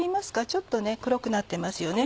ちょっと黒くなってますよね。